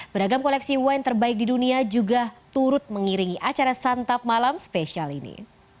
beragam koleksi wine terbaik di dunia juga turut mengiringi acara santap malam spesial ini